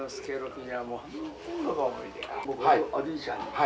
僕とおじいちゃん。